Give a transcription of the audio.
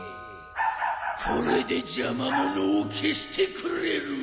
これでじゃまものをけしてくれるわ！